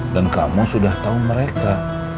dan kamu sudah tau mereka